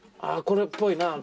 あこれっぽいな。